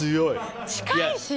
近いし。